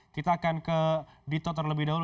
kita akan ke dito terlebih dahulu